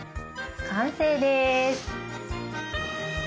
完成です。